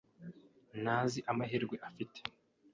ntazi amahirwe afite.